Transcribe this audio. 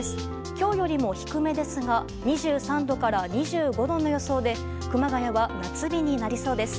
今日よりも低めですが２３度から２５度の予想で熊谷は夏日になりそうです。